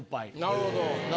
なるほど。